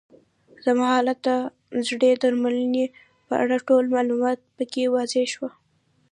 زما حالت او د زړې درملنې په اړه ټول معلومات پکې واضح شوي.